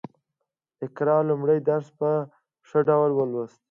اقرا لومړی درس په ښه ډول ولوست